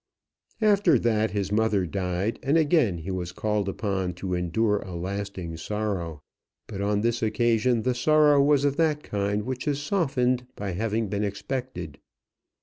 After that his mother died, and again he was called upon to endure a lasting sorrow. But on this occasion the sorrow was of that kind which is softened by having been expected.